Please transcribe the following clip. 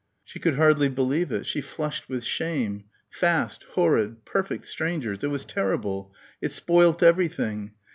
She could hardly believe it. She flushed with shame.... Fast, horrid ... perfect strangers ... it was terrible ... it spoilt everything.